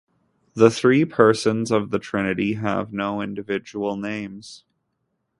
The three persons of the trinity have no individual names.